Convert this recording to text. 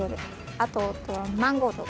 あとマンゴーとか。